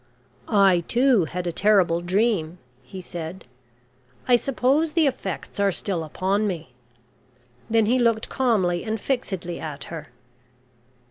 "I too, had a terrible dream," he said. "I suppose the effects are still upon me." Then he looked calmly and fixedly at her.